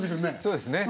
そうですね。